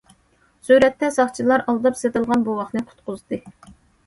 سۈرەتتە: ساقچىلار ئالداپ سېتىلغان بوۋاقنى قۇتقۇزدى.